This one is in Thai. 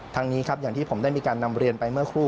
ทางนี้ครับอย่างที่ผมได้มีการนำเรียนไปเมื่อครู่